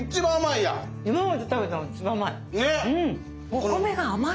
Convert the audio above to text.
お米が甘い？